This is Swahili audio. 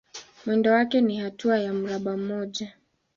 Mwendo wake ni hatua ya mraba mmoja.